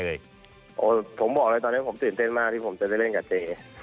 ผมบอกเลยตอนนี้ผมตื่นเต้นมากที่ผมจะไปเล่นกับเจ